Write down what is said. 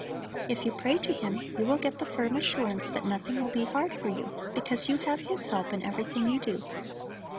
If you pray to Him, you will get the firm assurance that nothing will be hard for you, because you have His help in everything you do.